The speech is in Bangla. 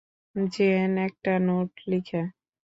জেন একটা নোট লিখে।